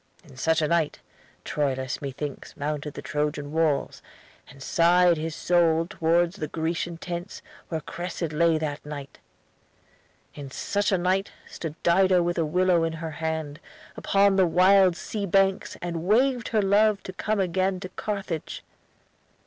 "'In such a night, Troilus, methinks, mounted the Trojan walls, And sighed his soul towards the Grecian tents, Where Cressid lay that night.'" '"In such a night, Stood Dido with a willow in her hand, Upon the wild sea banks, and waved her love To come again to Carthage.'"